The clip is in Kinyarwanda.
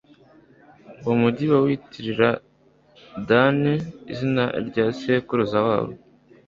uwo mugi bawitirira dani, izina rya sekuruza wabo